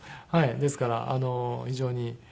ですから非常に。